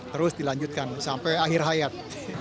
terus dilanjutkan sampai akhir hayat